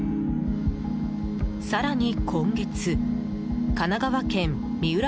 更に今月神奈川県三浦